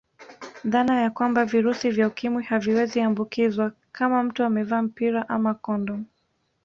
Dhana ya kwamba virusi vya ukimwi haviwezi ambukizwa kama mtu amevaa mpira ama kondomu